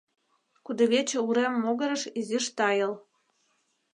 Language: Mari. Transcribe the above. Кудывече урем могырыш изиш тайыл.